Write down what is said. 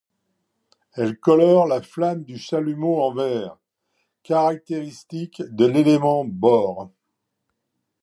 Elle colore la flamme du chalumeau en vert, caractéristique de l'élément Bore.